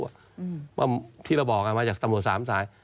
เพราะที่เราบอกกันมาจากตำรวจสามสาย